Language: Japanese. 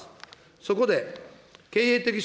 そこで経営的し